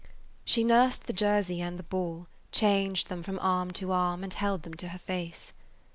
She nursed the jersey and the ball, changed them from arm to arm, and held them to her face.